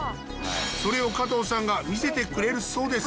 それを加藤さんが見せてくれるそうです